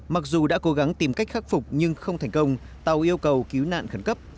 mặc dù đã cố gắng tìm cách khắc phục nhưng không thành công tàu yêu cầu cứu nạn khẩn cấp